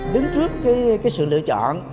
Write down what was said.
đứng trước sự lựa chọn